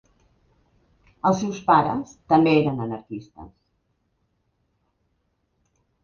Els seus pares també eren anarquistes.